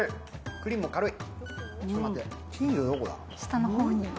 クリームも軽い。